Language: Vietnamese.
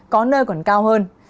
có nơi còn cao hơn